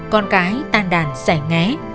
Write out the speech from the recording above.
con cái tan đàn xảy ngé